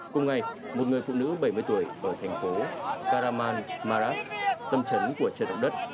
cùng ngày một người phụ nữ bảy mươi tuổi ở thành phố karaman maras tâm trấn của trận động đất